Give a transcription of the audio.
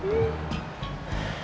tapi surprise apa ya